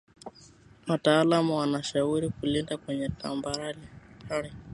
wataalam wana shauri kulima kwenye tambarare